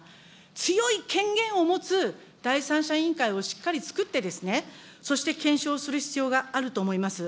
強い権限を持つ第三者委員会をしっかりつくって、そして検証する必要があると思います。